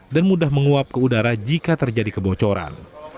dan mudah menguap ke udara jika terjadi kebocoran